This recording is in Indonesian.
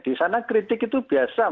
di sana kritik itu biasa